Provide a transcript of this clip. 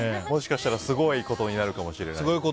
もしかしたらすごいことになるかもしれないと。